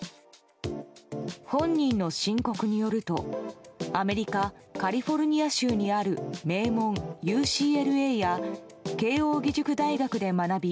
本人の申告によるとアメリカ・カリフォルニア州にある名門ＵＣＬＡや慶応義塾大学で学び